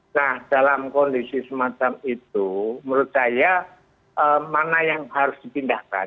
nah dalam kondisi semacam itu menurut saya mana yang harus dipindahkan